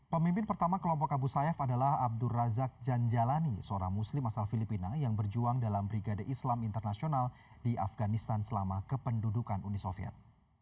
pemimpin pertama kelompok abu sayyaf adalah abdur razak janjalani seorang muslim asal filipina yang berjuang dalam brigade islam internasional di afganistan selama kependudukan uni soviet